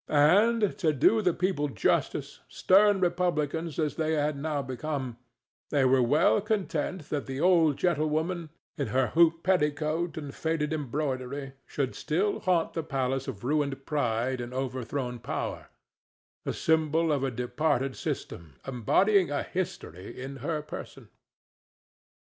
And, to do the people justice, stern republicans as they had now become, they were well content that the old gentlewoman, in her hoop petticoat and faded embroidery, should still haunt the palace of ruined pride and overthrown power, the symbol of a departed system, embodying a history in her person.